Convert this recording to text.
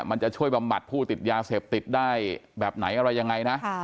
มันจะช่วยบำบัดผู้ติดยาเสพติดได้แบบไหนอะไรยังไงนะ